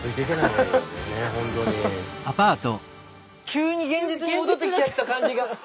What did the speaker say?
急に現実に戻ってきちゃった感じが。